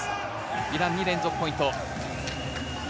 イランに連続ポイント。